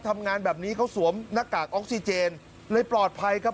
ทำงานแบบนี้เขาสวมหน้ากากออกซิเจนเลยปลอดภัยครับ